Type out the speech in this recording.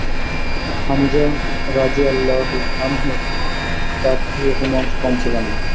হামযা রাযিয়াল্লাহু আনহুও তার থেকে কোন অংশে কম ছিলেন না।